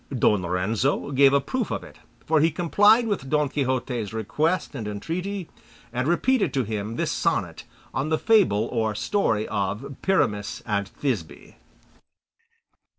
Don Lorenzo gave a proof of it, for he complied with Don Quixote's request and entreaty, and repeated to him this sonnet on the fable or story of Pyramus and Thisbe.